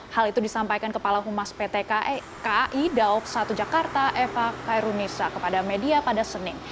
hal itu disampaikan kepala humas pt kai daob satu jakarta eva kairunisa kepada media pada senin